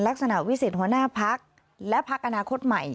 ลักษณะวิสิทธิหัวหน้าพักและพักอนาคตใหม่